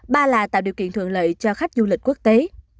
ba là tạo điều kiện thuận lợi cho khách du lịch quốc tế